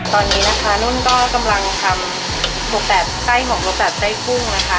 ตอนนี้นะคะนุ้นก็กำลังทำโรคแบบใกล้ของโรคแบบใจพุ่งนะคะ